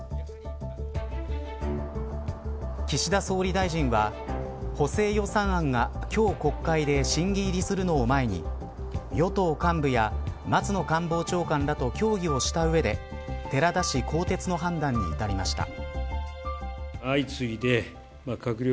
岸田総理大臣は補正予算案が今日国会で審議入りするのを前に与党幹部や松野官房長官らと協議をした上で寺田氏更迭の判断に至りました。